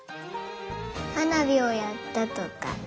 はなびをやったとか。